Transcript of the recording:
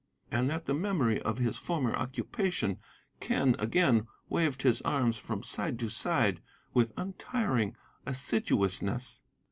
And at the memory of his former occupation, Quen again waved his arms from side to side with untiring assiduousness.